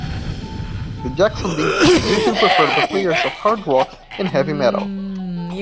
The Jackson Dinky is usually preferred by players of hard rock and heavy metal.